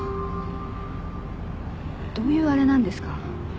どういうあれなんですか？